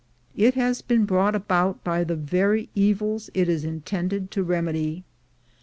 It has been brought about by the very evils it is intended to remedy.